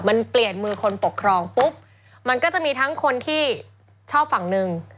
มันเปลี่ยนมือคนปกครองปุ๊บมันก็จะมีทั้งคนที่ชอบฝั่งหนึ่ง